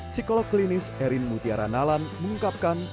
psikolog klinis erin mutiara nalan mengungkapkan